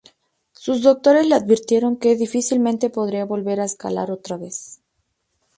Los doctores le advirtieron que difícilmente podría volver a escalar otra vez.